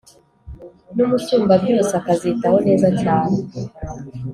n’Umusumbabyose akazitaho neza cyane